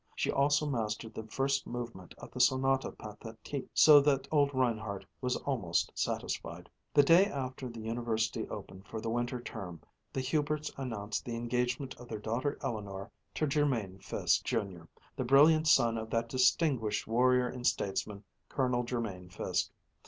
She also mastered the first movement of the Sonata Pathétique, so that old Reinhardt was almost satisfied. The day after the University opened for the winter term the Huberts announced the engagement of their daughter Eleanor to Jermain Fiske, Jr., the brilliant son of that distinguished warrior and statesman, Colonel Jermain Fiske.